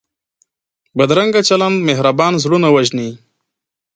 بدرنګه چلند مهربان زړونه وژني